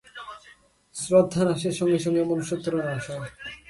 শ্রদ্ধানাশের সঙ্গে সঙ্গে মনুষ্যত্বেরও নাশ হয়।